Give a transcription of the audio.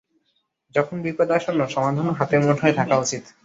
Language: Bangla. যখন বিপদ আসন্ন, সমাধানও হাতের মুঠোয় থাকা উচিত।